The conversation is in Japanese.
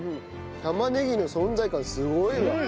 玉ねぎの存在感すごいわ。